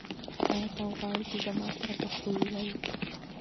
آیا ته غواړې چې زما سره پښتو ووایې؟